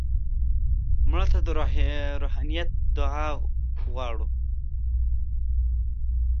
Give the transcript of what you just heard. مړه ته د روحانیت دعا غواړو